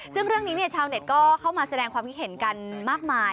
ซึ่งเรื่องนี้ชาวเน็ตก็เข้ามาแสดงความคิดเห็นกันมากมาย